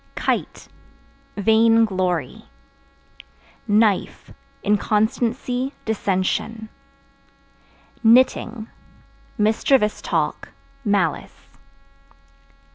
Kite Vain glory. Knife Inconstancy, dissension. Knitting Mischievous talk, malice.